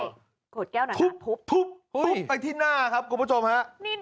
ใช่ขวดแก้วหนันหนาทุบทุบทุบไปที่หน้าครับกรุงประจมฮะ